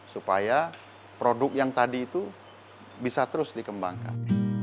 supaya produk yang tadi itu bisa terus dikembangkan